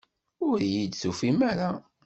Ur iyi-d-tufim ara.